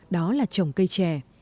đó là trồng cây trè